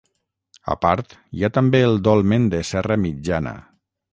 A part, hi ha també el Dolmen de Serra Mitjana.